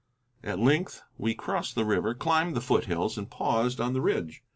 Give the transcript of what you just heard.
At length we crossed the river, climbed the foot hills, and paused on the ridge.